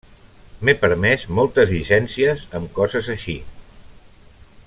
M'he permès moltes llicències amb coses així.